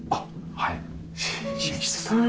はい。